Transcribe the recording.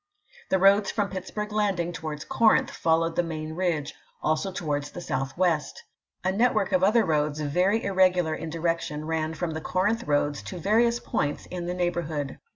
The roads from Pittsburg Landing towards Corinth fol lowed the main ridge, also towards the southwest. A network of other roads, very irregular in direc tion, ran from the Corinth roads to various points in the neighborhood.